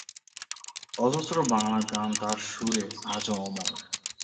অজস্র বাংলা গান তার সুরে আজও অমর।